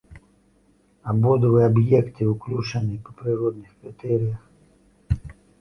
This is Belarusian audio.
Абодва аб'екты ўключаны па прыродных крытэрыях.